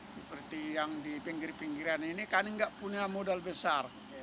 seperti yang di pinggir pinggiran ini kami nggak punya modal besar